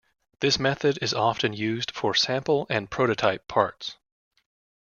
This method is often used for sample and prototype parts.